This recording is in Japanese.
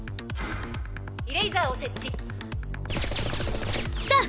「イレイザーを設置」「」来た！